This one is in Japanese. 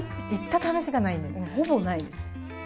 もうほぼないです。